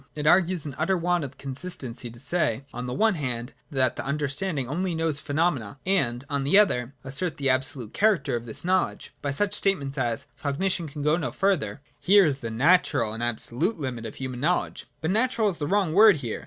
It argues an utter want of consistenc}' to say, on the one hand, that the understanding only knows phenomena, and, on the other, assert the absolute character of this knowledge, by such statements as ' Cognition can go no further'; 'Here is the natural and absolute limit of human knowledge.' But ' natural ' is the wrong word here.